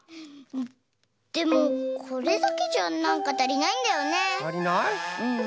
でもこれだけじゃなんかたりないんだよね。